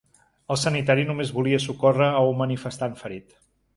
El sanitari només volia socórrer a un manifestant ferit.